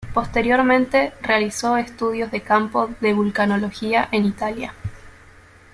Posteriormente, realizó estudios de campo de vulcanología en Italia.